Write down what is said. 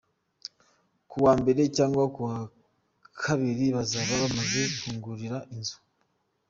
Ku wa mbere cyangwa ku wa kabiri bazaba bamaze kungurira inzu.